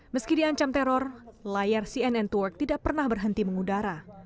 meski diancam teror layar cnn to work tidak pernah berhenti mengudara